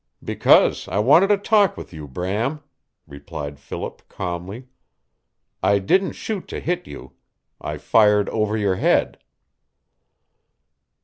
"Because I wanted to talk with you, Bram," replied Philip calmly. "I didn't shoot to hit you. I fired over your head."